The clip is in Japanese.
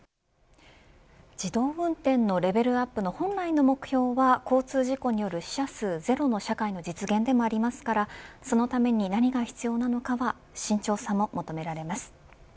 自動運転のレベルアップの本来の目標は交通事故による死者数ゼロの社会の実現でもありますからそのために何が必要なのかは慎重さも求められます。